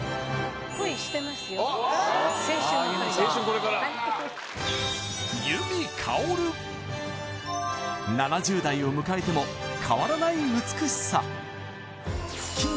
これからはい７０代を迎えても変わらない美しさ